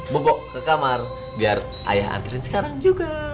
bobo ke kamar biar ayah anterin sekarang juga